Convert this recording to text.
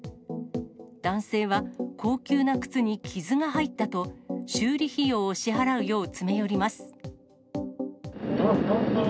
男性は高級な靴に傷が入ったと、修理費用を支払うよう詰め寄りまどうする？